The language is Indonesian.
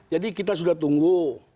jadi kita sudah tunggu